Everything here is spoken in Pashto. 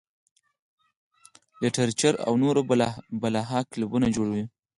لټرېچر او نور بلها کلبونه جوړ وي -